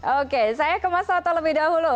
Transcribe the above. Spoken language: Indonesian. oke saya ke mas toto lebih dahulu